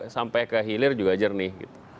sampai ke hilir juga jernih